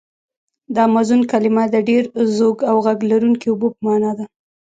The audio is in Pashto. د امازون کلمه د ډېر زوږ او غږ لرونکي اوبو په معنا ده.